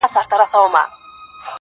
خو لا يې سترگي نه دي سرې خلگ خبري كـوي.